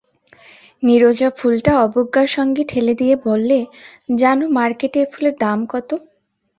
নীরজা ফুলটা অবজ্ঞার সঙ্গে ঠেলে দিয়ে বললে, জান মার্কেটে এ ফুলের দাম কত?